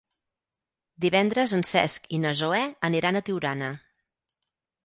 Divendres en Cesc i na Zoè aniran a Tiurana.